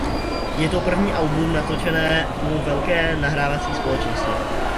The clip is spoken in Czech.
Je to první album natočené u velké nahrávací společnosti.